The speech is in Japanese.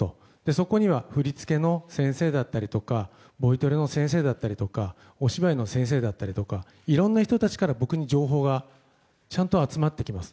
そこには振り付けの先生だったりとかボイトレの先生だったりとかお芝居の先生だったりとかいろんな人たちから僕に情報がちゃんと集まってきます。